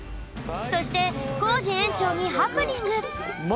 そしてコージ園長にハプニング！